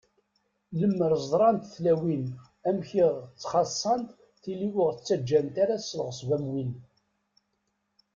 Lemmer ẓrant tlawin amek i ɣ-ttxaṣṣant, tili ur ɣ-ttaǧǧant ara s leɣṣeb am win.